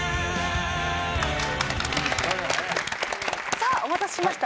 さあお待たせしました。